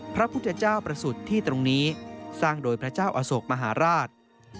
พระพุทธเจ้าประสุทธิ์ที่ตรงนี้สร้างโดยพระเจ้าอโศกมหาราช